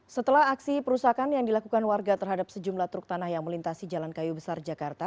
setelah aksi perusakan yang dilakukan warga terhadap sejumlah truk tanah yang melintasi jalan kayu besar jakarta